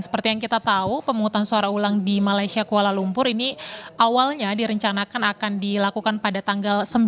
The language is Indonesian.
seperti yang kita tahu pemungutan suara ulang di malaysia kuala lumpur ini awalnya direncanakan akan dilakukan pada tanggal sembilan